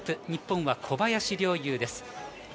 日本は小林陵侑です。